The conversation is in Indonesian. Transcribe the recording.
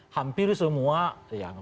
hampir semua yang